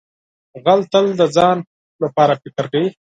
غل تل د ځان لپاره فکر کوي